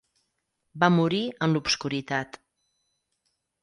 Va morir en l'obscuritat.